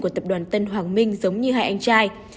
của tập đoàn tân hoàng minh giống như hai anh trai